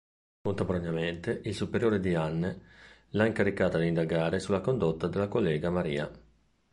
Contemporaneamente il superiore di Anne l'ha incaricata di indagare sulla condotta della collega Maria.